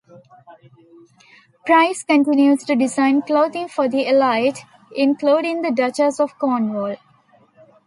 Price continues to design clothing for the elite, including the Duchess of Cornwall.